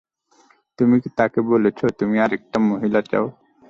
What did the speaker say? তুমি কি তাকে বলেছো তুমি আরেকটা মহিলা চাও?